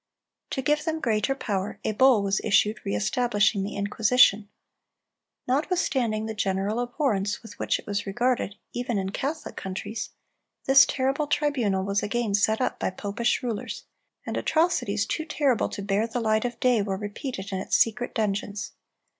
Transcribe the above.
To give them greater power, a bull was issued re establishing the Inquisition.(350) Notwithstanding the general abhorrence with which it was regarded, even in Catholic countries, this terrible tribunal was again set up by popish rulers, and atrocities too terrible to bear the light of day were repeated in its secret dungeons.